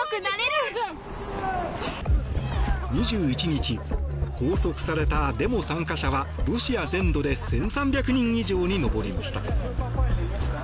２１日拘束されたデモ参加者はロシア全土で１３００人以上に上りました。